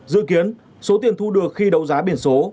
dự kiến số tiền thu được khi đấu giá biển số